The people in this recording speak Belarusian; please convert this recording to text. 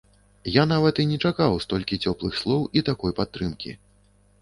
Я нават і не чакаў столькі цёплых слоў і такой падтрымкі.